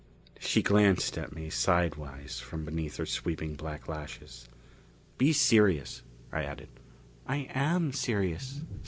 She glanced at me sidewise from beneath her sweeping black lashes. "Be serious," I added. "I am serious.